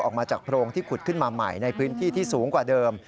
ออกมาจากโพรงที่ขุดขึ้นมาใหม่ในพื้นที่ที่สูงกว่าเดิม